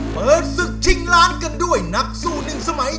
เปิดศึกร้ายช์เช่นนอนกันนักสู้นิ่งสมัย